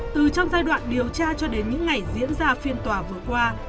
từ trong giai đoạn điều tra cho đến những ngày diễn ra phiên tòa vừa qua